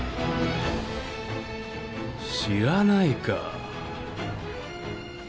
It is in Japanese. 知らないか。